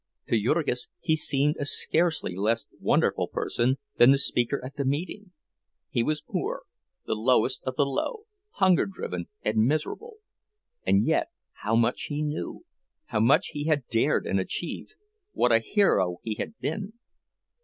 To Jurgis he seemed a scarcely less wonderful person than the speaker at the meeting; he was poor, the lowest of the low, hunger driven and miserable—and yet how much he knew, how much he had dared and achieved, what a hero he had been!